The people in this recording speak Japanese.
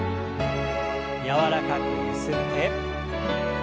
柔らかくゆすって。